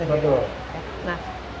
nah tadi berbicara tentang